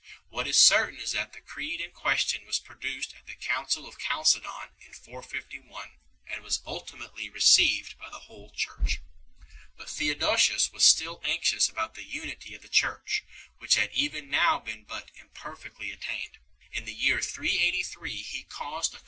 What is certain is that the Creed in question was produced at the Council of Chalcedon in 451, and was j ultimately received by the whole Church. But Theodosius was still anxious about the unity of the Church, which had even now been but imperfectly Theodoret, H. E. v. 9, p.